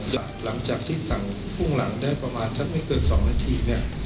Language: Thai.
หรอกจากที่สั่งพุ่งหลังได้ประมาณไม่เกิด๒นาที